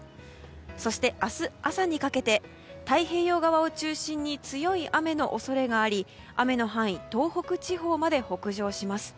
そして、明日朝にかけて太平洋側を中心に強い雨の恐れがあり、雨の範囲東北地方まで北上します。